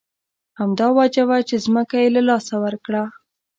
همدا وجه وه چې ځمکه یې له لاسه ورکړه.